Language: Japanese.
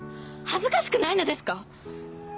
恥ずかしくないのですか？